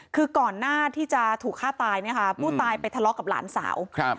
คือก่อนหน้าที่จะถูกฆ่าตายเนี่ยค่ะผู้ตายไปทะเลาะกับหลานสาวครับ